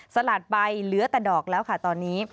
สลัดไปเหลือแต่ดอกแล้วค่ะตอนนี้